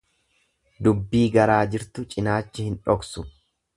Dubbii garaa jirtu cinaachi hin dhoksu.